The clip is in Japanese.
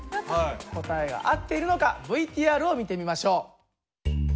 答えが合っているのかＶＴＲを見てみましょう。